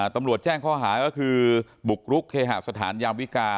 ตำรวจแจ้งข้อหาก็คือบุกรุกเคหสถานยามวิกา